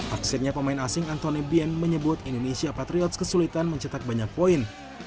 akhirnya pemain asing anthony bien menyebut indonesia patriots kesulitan mencetak banyak poin